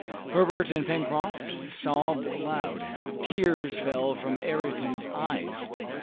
Herbert and Pencroft sobbed aloud. Tears fell from Ayrton's eyes.